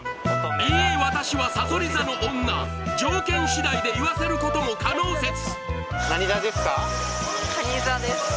「いいえ私はさそり座の女」条件次第で言わせることも可能説何座ですか？